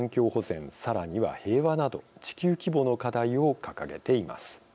さらには「平和」など地球規模の課題を掲げています。